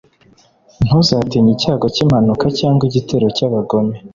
ntuzatinye icyago cy'impanuka cyangwa igitero cy'abagome